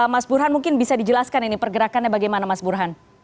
mas burhan mungkin bisa dijelaskan ini pergerakannya bagaimana mas burhan